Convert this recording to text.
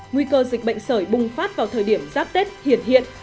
nguy cơ dịch bệnh sởi bùng phát vào thời điểm giáp tết hiển hiện hiện